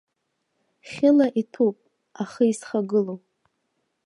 Хьыла иҭәуп ахы исхагылоу.